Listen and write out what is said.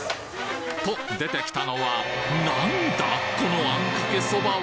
と出てきたのは何だこのあんかけそばは！？